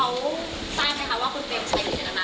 ว่าคุณเพชรจะเข้าไปในฝั่งเพื่ออะไร